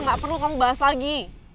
gak perlu kamu bahas lagi